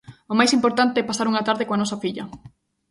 O máis importante é pasar unha tarde coa nosa filla.